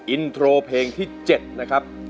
อินโทรเพลงที่๗นะครับ